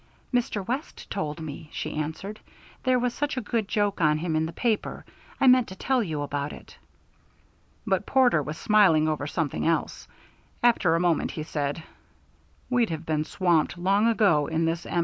"Mr. West told me," she answered. "There was such a good joke on him in the paper. I meant to tell you about it." But Porter was smiling over something else. After a moment he said: "We'd have been swamped long ago in this M.